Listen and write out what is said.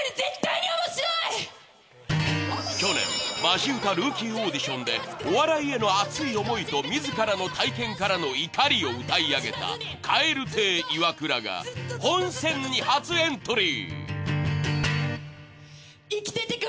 去年マジ歌ルーキーオーディションでお笑いへの熱い思いと自らの体験からの怒りを歌いあげた蛙亭イワクラが本戦に初エントリー。